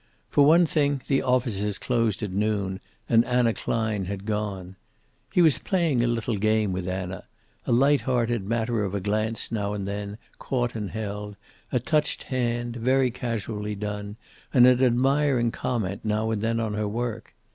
For one thing, the offices closed at noon, and Anna Klein had gone. He was playing a little game with Anna a light hearted matter of a glance now and then caught and held, a touched hand, very casually done, and an admiring comment now and then on her work.